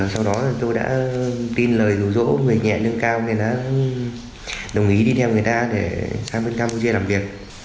sau đó tôi đã tin lời rủ rỗ về nhẹ lương cao nên đã đồng ý đi theo người ta sang campuchia làm việc